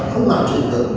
không làm chủ tượng